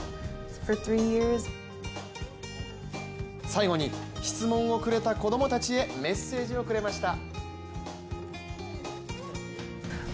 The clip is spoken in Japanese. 最後に、質問をくれた子供たちへメッセージをくれました。